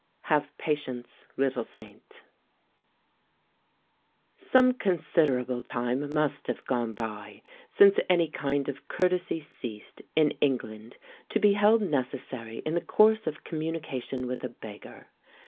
HAVE PATIENCE, LITTLE SAINT Some considerable time must have gone by since any kind of courtesy ceased, in England, to be held necessary in the course of communication with a beggar.